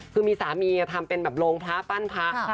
คือมีสามีทำเป็นแบบโรงพระปั้นพระ